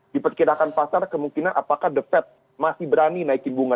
diperkirakan pasar kemungkinan apakah the fed masih berani naikin bunga